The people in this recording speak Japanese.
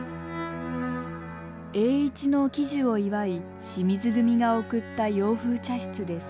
栄一の喜寿を祝い清水組が贈った洋風茶室です。